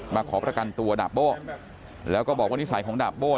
ขอประกันตัวดาบโบ้แล้วก็บอกว่านิสัยของดาบโบ้